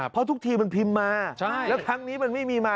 เพราะทุกทีมันพิมพ์มาแล้วครั้งนี้มันไม่มีมา